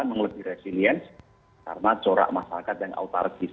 mengalami resiliensi karena corak masyarakat yang autarkis